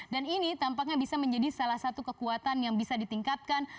dan ini tampaknya bisa menjadi salah satu kekuatan yang bisa ditingkatkan